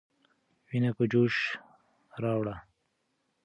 ويني په جوش راوړه.